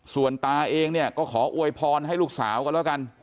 ส่วนตาเองเนี่ยก็ขออวยพรให้ลูกสาวกันแล้วกัน